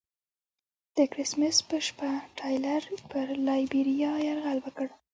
د کرسمس په شپه ټایلر پر لایبیریا یرغل وکړ.